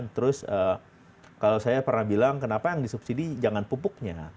terus kalau saya pernah bilang kenapa yang disubsidi jangan pupuknya